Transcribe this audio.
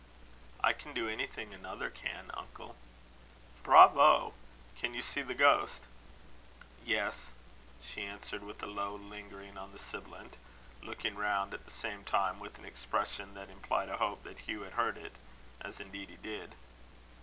"I can do anything another can, uncle." "Bravo! Can you see the ghost?" "Yes," she answered, with a low lingering on the sibilant; looking round, at the same time, with an expression that implied a hope that Hugh had heard it; as indeed he had.